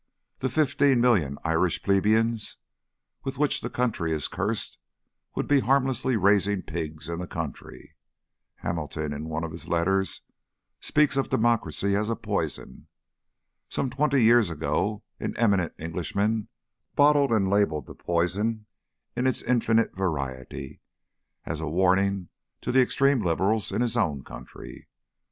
The fifteen million Irish plebeians with which the country is cursed would be harmlessly raising pigs in the country. Hamilton, in one of his letters, speaks of democracy as a poison. Some twenty years ago an eminent Englishman bottled and labelled the poison in its infinite variety, as a warning to the extreme liberals in his own country.